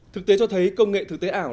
thực tế cho thấy công nghệ thực tế ảo